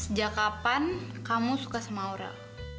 sejak kapan kamu suka sama aura